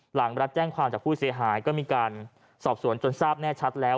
หลังรับแจ้งความจากผู้เสียหายก็มีการสอบสวนจนทราบแน่ชัดแล้ว